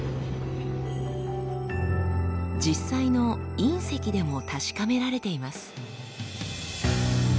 実際の隕石でも確かめられています。